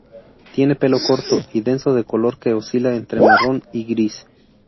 Tiene pelo corto y denso de color que oscila entre marrón y gris.